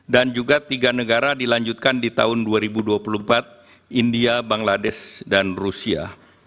dan juga tiga negara dilanjutkan di tahun dua ribu dua puluh empat india bangladesh dan rusia